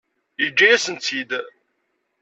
Yeǧǧa-yasen-tt-id.